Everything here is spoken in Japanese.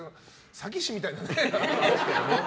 詐欺師みたいなね。